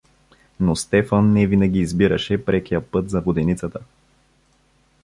Но Стефан не винаги избираше прекия път за воденицата.